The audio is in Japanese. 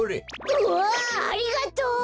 うわありがとう！